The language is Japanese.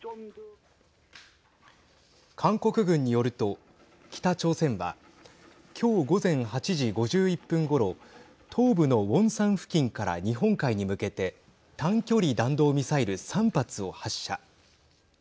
韓国軍によると北朝鮮は今日午前８時５１分ごろ東部のウォンサン付近から日本海に向けて短距離弾道ミサイル３発を発射。